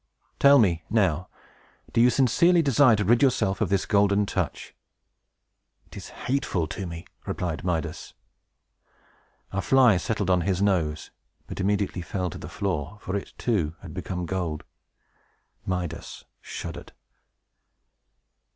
Tell me, now, do you sincerely desire to rid yourself of this Golden Touch?" "It is hateful to me!" replied Midas. A fly settled on his nose, but immediately fell to the floor; for it, too, had become gold. Midas shuddered.